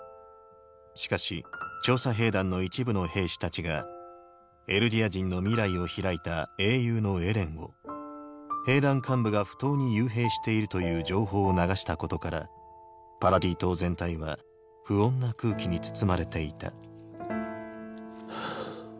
しかし調査兵団の一部の兵士たちがエルディア人の未来を開いた英雄のエレンを兵団幹部が不当に幽閉しているという情報を流したことからパラディ島全体は不穏な空気に包まれていたハァ。